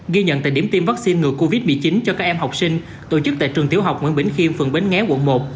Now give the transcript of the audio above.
ghi nhận tại điểm tiêm vaccine ngừa covid một mươi chín cho các em học sinh tổ chức tại trường tiểu học nguyễn bình khiêm phường bến nghé quận một